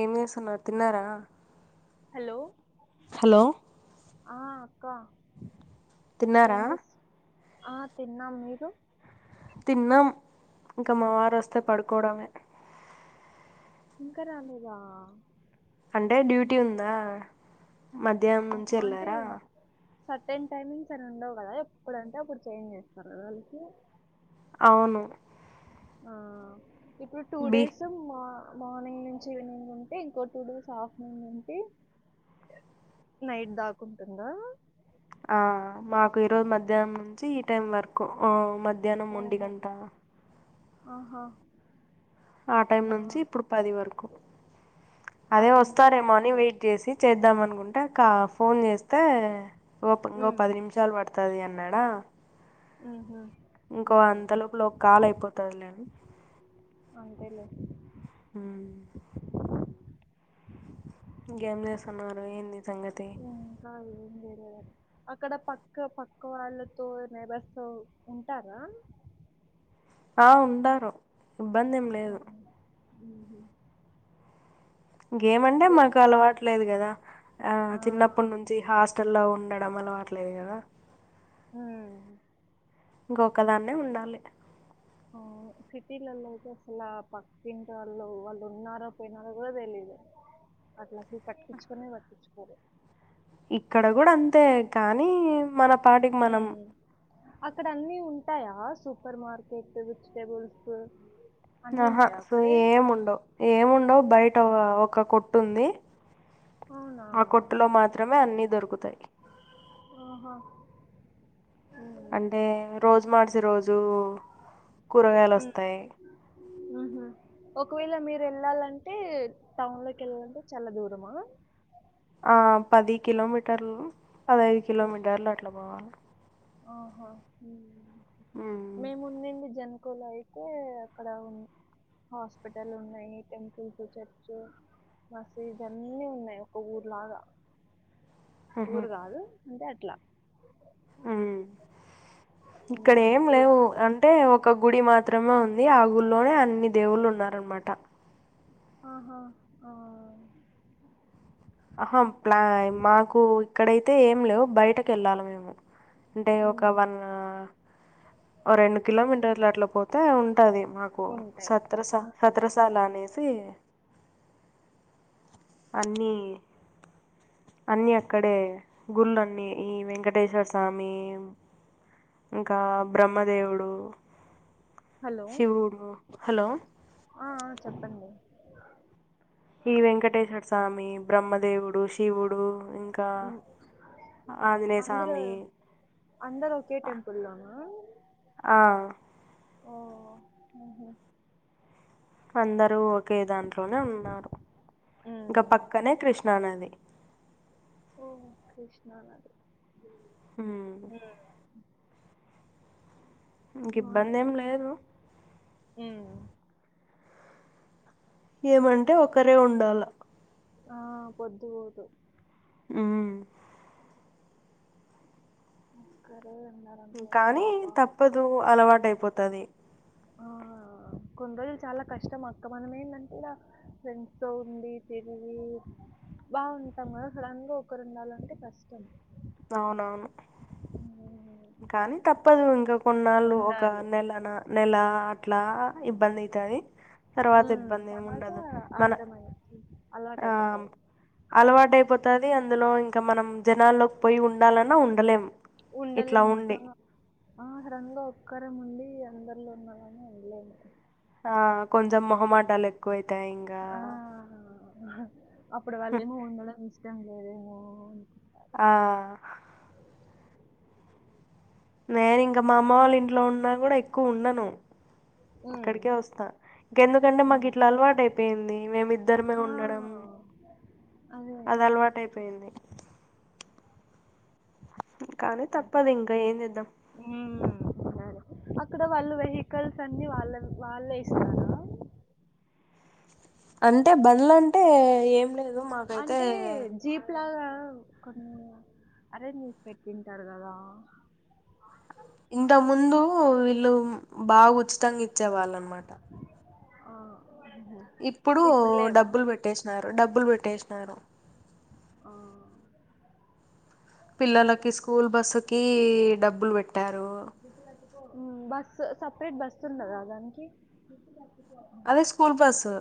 ఏం చేస్తున్నారు తిన్నారా హలో హలో ఆ అక్క ఏం తిన్నారా చెస్ ఆ తిన్నాము మీరు తిన్నాం ఇంకా మా వారు వస్తే పడుకోవడమే ఇంకా రాలేదా అంటే డ్యూటీ ఉందా మధ్యాహ్నం నుంచి ఓహో అంటే వెళ్ళారా సర్టెన్ టైమింగ్స్ అని ఉండవు కదా ఎప్పుడంటే అప్పుడు చేంజ్ చేస్తారు కదా వాళ్ళకి అవును ఆ ఇప్పుడు టూ బి డేస్ మొన్న మార్నింగ్ నుంచి ఈవెనింగ్ ఉంటే ఇంకో టూ డేస్ ఆఫ్టర్నూన్ ఉంటే నైట్ దాకా ఉంటుందా ఆ మాకు ఈరోజు మధ్యాహ్నం నుంచి ఈ టైం వరకు మధ్యాహ్నం ఒంటి ఓహో గంట ఆహా ఆ టైం నుంచి ఇప్పుడు పది వరకు అదే అట్లుంటే వస్తారేమో అసలు అని వెయిట్ చేసి చేద్దాము అనుకుంటే అక్క ఫోన్ చేస్తే ఇది [unintelligible] ఉమ్ పది నిమిషాలు పడుతాది అన్నాడా ఆమ్ హా ఇంకో అంత లోపల ఒక కాలు అయిపోతాది లెండి అంతే లే ఆమ్ ఇంగేం చేస్తున్నారు ఏంది సంగతి ఇంకా ఏం చేయలేదండి అక్కడ పక్క పక్క వాళ్ళతో నైబర్స్తో ఉంటారా ఆ ఉంటారు [unintelligible] గేమంటే అదే మాకు అలవాట్లేదు కదా ఆ చిన్నప్పటి నుంచి హాస్ టెల్ లో ఉండడం అలవాట్లేదు గదా హమ్ ఇంకొకదాన్నే ఉండాలి [inaudible] అవును సిటీలలో అయితే అసల పక్కింటి వాళ్ళు వాళ్ళు ఉన్నారో పోయినారో కూడా తెలియదు అట్లా అసలు పట్టించుకునే పట్టించుకోరు ఇక్కడ కూడా అంతే కానీ మన పాటికి మనం హమ్ అక్కడ అన్ని ఉంటాయా సూపర్ మార్కెట్ వెజిటబుల్స్ ఆహా సో ఏముండవు ఏముండవు ఓ బయట ఒక కొట్టు ఉంది అవునా ఆ కొట్టులో మాత్రమే అన్ని దొరుకుతాయి ఆహా అంటే రోజు మార్చి రోజు కూరగాయలు వస్తాయి ఆమ్ హా ఒకవేళ మీరు వెళ్ళాలంటే టౌన్ లోకి వెళ్ళాలంటే చాలా దూరమా ఆ పది కిలోమీటర్లు పదా అయిదు ఓహ్! కిలోమీటర్లు అట్లా పోవాలి ఆహా హ్మ్ [inaudible] మేము ఉంది జన్కుల అయితే అక్కడ ఉ హాస్పిటల్స్ ఉన్నయి టెంపుల్స్ చర్చు మసీదు అన్ని ఉన్నయ్ ఒక ఊర్లాగా మ్హూ. ఊరు గాదు అంటే అట్లా హ్మ్ హ్మ్. ఇక్కడెం లేవు కూరగాయలు అంటే ఒక్ ఒక గుడి మాత్రమే ఉంది ఆ గుడిలోనే అన్ని దేవుళ్ళు ఉన్నారు అన్మాట్ ఆహా ఆ అహా ప్లా మాకు ఇక్కడైతే ఏం లేవు బయటకెల్లాల డే ఒక హ్మ్. వన్ ఓ రెండు కిలోమీటర్లు అట్ల పోతే ఉంటాది మాకు ఉంటాయి. సత్రస హ్మ్. సత్రసాల అనేసి అన్ని అన్ని అక్కడే గుళ్ళన్నీ ఈ వెంకటేశ్వర స్వామి ఇంకా బ్రహ్మదేవుడు హలో! శివుడు హలో ఆ ఆ చెప్పండి ఈ వెంకటేశ్వర్స్ స్వామి బ్రహ్మదేవుడు శివుడు ఇంకా హ్మ్. ఆంజనేయ స్వామి అందరు ఒకే టెంపుల్ లోనా ఆ ఓహ్! హుహు. అందరూ ఒకే దాంట్లోనే ఉన్నారు ఇంకా ఉమ్, పక్కనే కృష్ణానది ఓ కృష్ణనది హ్మ్ ఇంక ఇబ్బంది ఏం బాగుంటది లేదు హ్మ్ హు ఏమంటే ఒకరే ఉండాల ఆ పొద్దు ఓదు [inaudible] ఒక్కరే నా కానీ తప్పదు అలవాటయిపోతాది ఆ కొన్ని రోజుల్ చాలా కష్టం అక్క మనం ఎందంట్ ఫ్రెండ్స్ తొ ఉండి తిరిగి బాగుంటాం కద సడన్ గా ఒకరున్డాలంటే కష్టం అవును [inaudible] కానీ తప్పదు ఇంకా కొన్నాళ్ళు ఒక ఉండాలి నెల నెల అట్లా ఇబ్బందయితాది హ్మ్ తర్వాత మన అర్ధమైయితీ అలవాటయిపోతది అలవాటయిపోతది అందులో ఇంకా మనం జనాల్లోకి పోయి ఉండాలన్నా ఉండలేం ఇట్లా ఉండాలేం ఉండి నిజం ఆ సడన్ గా ఒక్కరమ్ ఉండి అందరిలో వుండాలన్న ఉండలేము ఆ కొంచెం మొహమాటాలు ఎక్కువైతాయి ఇంగా ఆ! అప్పుడు వాళ్ళేమో ఉండడం ఇష్టం లేదేమో ఆ నేను ఇంకా మా అమ్మ వాళ్ళ ఇంట్లో ఉన్నా కూడా ఎక్కువ ఉండను హ్మ్. ఇక్కడికే వస్తా ఇంక ఎందుకంటే మాకు హ్మ్. ఇట్లా అలవాటు అయిపోయింది మేమిద్దరమే ఆ! ఉండడం. అదే. అది అలవాటయిపోయింది. కానీ తప్పదు ఇంకా ఏందిద్దాం ఊమ్మ్ సరే అక్కడ వాళ్ళు వెహికల్స్ అన్ని వాళ్ళవి వాళ్ళే ఇస్తారు. అంటే బండ్ల అంటే ఏం లేదు మాకైతే అంటే? జీప్ లాగా కొన్ని అరేంజ్ చేసి పెట్టింటారు కదా ఇంత ముందు వీళ్ళు బాగా ఉచితంగా ఇచ్చే వాళ్ళ అనమాట. ఆహ ఇప్పుడు డబ్బులు పెట్టేసినారు, డబ్బులు పెట్టేసినారు. ఆ పిల్లలకి స్కూల్ బస్సుకి డబ్బులు పెట్టారు. ఉ బస్ సపరేట్ బస్ ఉండదా దానికి? అదే స్కూల్ బస్సు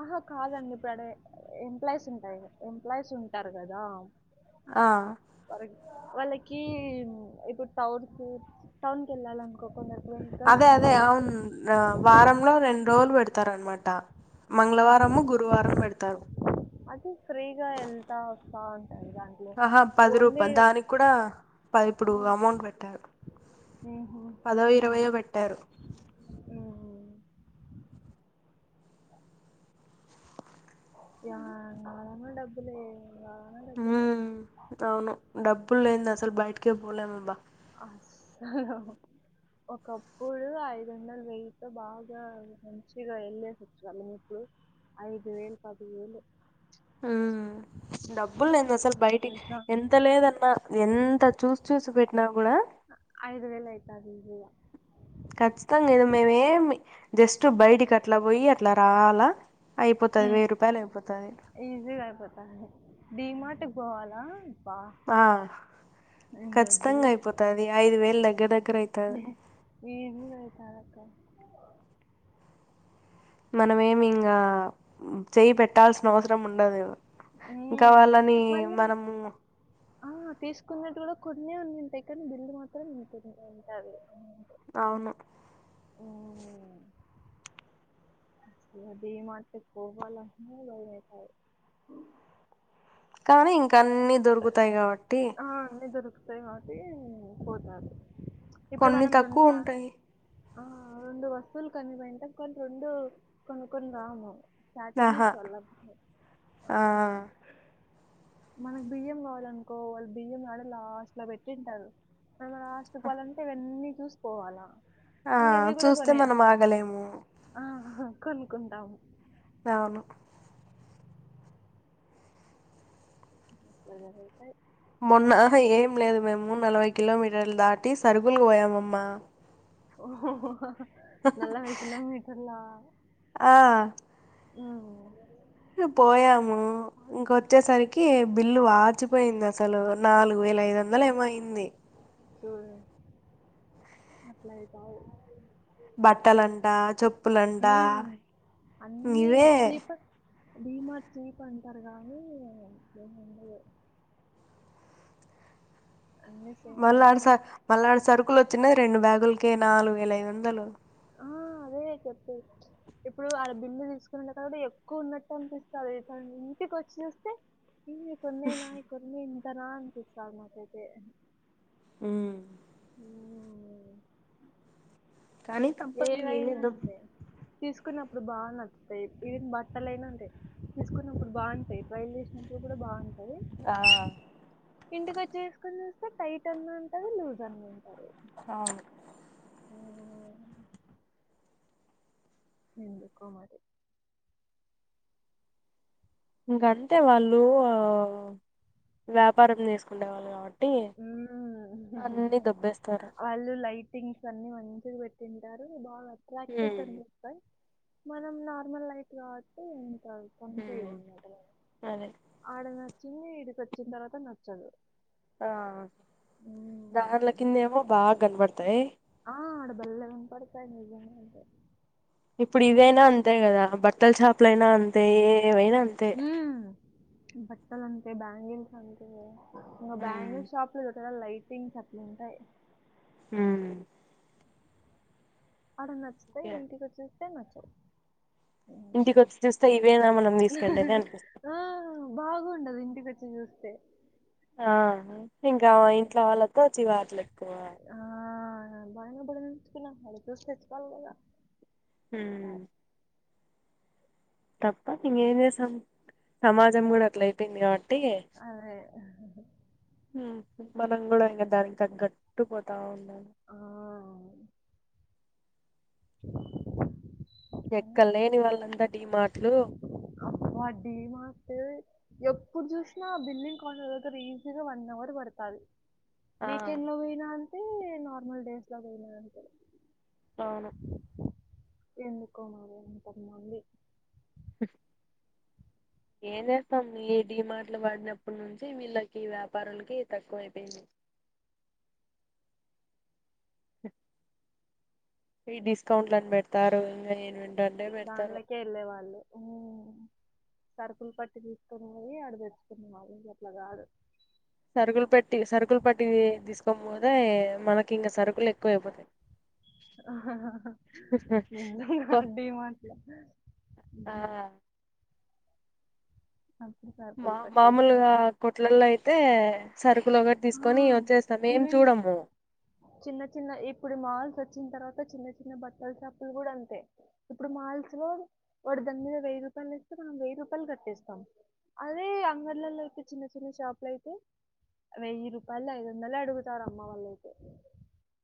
ఆహా కాదండి ఇప్పుడుడే ఎంప్లాయీస్ ఉంటాయి ఎంప్లాయీస్ ఉంటారు కదా. ఆ కరెక్ట్ వాళ్ళకి ఇప్పుడు టౌన్ కి, టౌన్ కి వెళ్ళాలిను కొకుండా వెహికల్స్ ఉండవ్ ఆ వారంలో రెండు రోజులు పెడతారునమాట హుహు. మంగళవారము, గురువారం పెడతారు. అది ఫ్రీగా ఎల్తా వస్తా ఉంటా గాని ఆహా పది రూపాయ దానికి కూడా పది ఇప్పుడు హ్మ్. అమౌంట్ పెట్టారు. పదో, ఇరవైయో పెట్టారు. ఓహో య నాలనా డబ్బుల్ నాలన డబ్బులు ఉమ్ అవును డబ్బులు లేంది అసలు బయటికే పోలేముబ్బా అ హ్హ్హ్హ్ ఒకప్పుడు ఐదు వందలు వేయ్యితో బాగా మంచిగా వెళ్ళేసచ్చు వాళ్ళము ఇప్పుడు ఐదు వేలు, పదివేలు మ్ డబ్బులు లేంది అసలు బయటికి తెలుసా ఎం ఎంత లేదన్నా ఎంత చూసి చూసి పెట్టినా కూడా ఐదు వేల అయితాంది ఈజీగా ఖచ్చితంగా ఇద మేమ ఏమి జస్ట్ బయటికి అట్లా పోయి అట్లా రావాలా? అయిపోతది ఉమ్. వెయ్యి రూపాయలు అయిపోతది. ఈజీగా అయిపోతాంది డీమార్ట్కు పోవాలా అబ్బా ఆ ఇంక ఖచ్చితంగా అయిపోతది ఐదు వేలు దగ్గర ద ఏహె ఏ ఊరు అయితాదక్కా మనమేమి ఇంగా చేయి పెట్టాల్సిన అవసరం ఉండదు గద ఉ మళ్ళీ ఆ తీసుకున్నట్టు కూడా కొన్ని ఉన్నుంటాయి కానీ బిల్ మాత్రం ని ఉంటుంది అమౌంట్ అవును [inaudible] డిమార్ట్ కు పోవాలన్న భయం అయితది. కానీ అన్నీ దొరుకుతాయి కాబట్టి ఆ అన్ని దొరుకుతాయి కాబట్టి పోతాను ఇప్పుడు కొన్ని మనం తక్కువ రెండుగా ఉంటాయి ఆ రెండు వస్తువులు కనిబెడతాం కానీ రెండు కొనుకొని రాము స్ట్రాటజిస్ ఆహా వల్లబ్ హై ఆ మనకు బియ్యం కావాలనుకో వాళ్ళు బియ్యం యాడో లాస్ట్ లో పెట్టింటారు మనం లాస్ట్కిపోవాలంటే ఇవన్నీ చూసుకోవాలా ఆ ఇంగ ఇవి కూడా చూస్తే మనం కొనేసుకు ఆగలేము ఆ కొనుక్కుంటాము అవును ఇట్లా జరుగుతాయ్ మొన్నహ ఏం లేదు మేము నలభై కిలోమీటర్లు దాటి సరుకులుకి పోయామమ్మా ఓ హొ హొ హొ నలభై కిలోమీటర్లా ఆ ఆ పోయాము ఇంకొచ్చేసరికి బిల్లు వాచిపోయింది అసలు నాలుగు వేల ఐదు వందలు ఏమో అయింది చూడు అట్లా అయికావు బట్టలంట చెప్పులంట మ్ అన్నీ ఇవే చీప్ డీమార్ట్ చీప్ అంటారు కానీ ఏముండదు అన్ని మళ్ళడ స మళ్ళడ సరుకులు వచ్చినయ్ రెండు బ్యాగులకే నాలుగు వేల ఐదు వందలు ఆ అదే చెప్పు ఇప్పుడు ఆడ బిల్లు తీసుకునే కూడా ఎక్కువ ఉన్నట్టు అనిపిస్తది కానీ ఇంటికి వచ్చి చూస్తే ఇన్ని కొన్నేనా కొన్నే ఇంతనా అనిపిస్తది మాతైతే మ్ మ్ కానీ తప్పదు ఏం ఏవయినా చేద్దాం అంతే తీసుకున్నప్పుడు బాగా నచ్చుతాయి ఈవెన్ బట్టలయినా ఉంటాయి తీసుకున్నప్పుడు బాగుంటాయి ట్రయిల్ వేసినప్పుడు కూడా బాగుంటాయ్ ఆ ఇంటికోచ్చి చేసుకుని చూస్తే టైట్ అన్న ఉంటది లూజ్ అన్న ఉంటది అవును మ్ ఎందుకో మరి ఇంకంతే వాళ్ళు వ్యాపారం చేసుకునే వాళ్ళు కాబట్టి మ్ అన్ని దొబ్బేస్తారు ఆళ్లు లైట్ టింగ్స్ అన్ని మంచిగా పెట్టింటారు బా అట్రాక్టివ్ గా హ్మ్ కన్ప తాయ్ మనం నార్మల్ లైట్ కావట్టి ఏం కావ హ్మ్ కన్పియవు అన్నమాట అదే ఆడ నచ్చింది ఇడికి వచ్చిన తర్వాత నచ్చదు ఆ మ్ ధార్ల కిందేమో బాగా కనబడతాయి ఆ ఆడబల్ కన్పడతాయి నిజంగా అంత ఇప్పుడు ఇదైనా అంతే కదా బట్టల షాపులో అయినా అంతే ఏవైనా అంతే బట్టలంతే బ్యాంగిల్స్ అంతే ఇంకా హ్మ్ బ్యాంగిల్స్ షాప్ లో క్కడ లైటింగ్స్ అట్లా ఉంటాయి హ్మ్ అడ నచ్చుతాయ్ ఇంటికొచ్చేస్తే నచ్చవు ఇంటికి హ్మ్. వచ్చి చూస్తే ఇవేనా మనం తీసుకునేది అన్పిస్తా ఆ బాగుండదు ఇంటికొచ్చి చూస్తే ఆ ఇంకా ఇంట్లో వాళ్ళతో చివాట్లు ఎక్కువ ఆ బాయబడుకున్నా [unintelligible] ఊ తప్ప ఇకేం చేసాం సమాజం కూడా అట్ల అయిపోయింది కాబట్టి అదె మనం కూడా ఇంకా దాని ఇంకా తగట్టు పోతా ఉండాలి ఆ ఎక్కడలేని వాళ్ళంతా డీ మాట్లు అబ్బ డి మాట్ ఎప్పుడు చూసినా ఆ బిల్లింగ్ కాంటర్ దగ్గర ఈజీగా వన్ అవర్ పడ్తాది ఆ వీకెండ్ లో పోయినా అంటే నార్మల్ డేస్ లో పోయినా అంటే అవును ఎందుకో మరి అంత మంది ఏం చేేస్తాం ఈ డి మాట్లు వడినప్పటి నుంచి వీళ్ళకి వ్యాపారులకి తక్కువ అయిపోయింది ఈ డిస్కౌంట్ లని పెడతారు ఇంకా ఏను దానిలోకే వెళ్ళే వాళ్ళు సరుకులు పట్టి తీసుకున్నవి అడ తెచ్చుకున్నావి అట్లా కాదు సరుకులు పెట్టి సరుకులు పట్టి తీసుకోనిపోతే మనకి ఇంకా సరుకులు ఎక్కువ అయిపోతాయి ఎందోలె ఆ డి మాట్లు ఆ అ మా మామూలుగా కొట్లల్లో అయితే సరుకులు ఒకటి ఆ తీసుకొని వచ్చేస్తాం ఏం ఈవెన్ చూడము చిన్న చిన్న ఇప్పుడు మాల్స్ వచ్చిన తర్వాత చిన్న చిన్న బట్టల చప్పులు కూడా అంతే ఇప్పుడు మాల్స్ లో వాడు దాని మీద వెయ్యి రూపాయలు ఏస్తే మనం వెయ్యి రూపాయలు కట్టేస్తాం అదే అంగర్లలో అయితే చిన్న చిన్న షాపులు అయితే వెయ్యి రూపాయల్ది ఐదు వందలే అడుగుతారు అమ్మ వాళ్లైతే